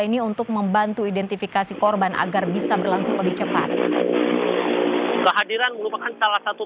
ini untuk membantu identifikasi korban agar bisa berlangsung lebih cepat kehadiran merupakan salah satu